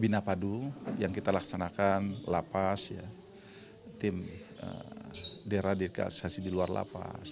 bina padu yang kita laksanakan lapas tim deradikalisasi di luar lapas